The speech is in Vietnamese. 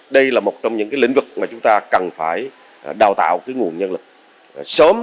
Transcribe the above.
đây là một trong những cái lĩnh vực mà chúng ta cần phải đào tạo cái nguồn nhân lực sớm